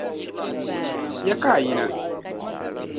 Ya ka a yina?